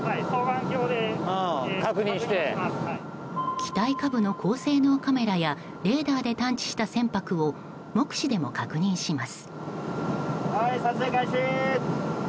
機体下部の高性能カメラやレーダーで探知した船舶を目視でも確認します。